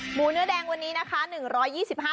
หมูเนื้อแดงวันนี้นะคะหนึ่งร้อยยี่สิบห้า